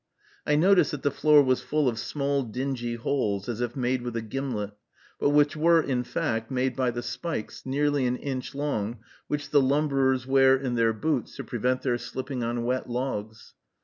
I noticed that the floor was full of small, dingy holes, as if made with a gimlet, but which were, in fact, made by the spikes, nearly an inch long, which the lumberers wear in their boots to prevent their slipping on wet logs.